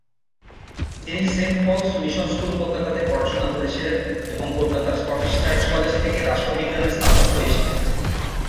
তিনি saint Paul's mission school কলকাতাতে পড়াশুনা করেছিলেন এবং কলকাতার স্কটিশ চার্চ কলেজ থেকে রাষ্ট্রবিজ্ঞানে স্নাতক হয়েছিলেন।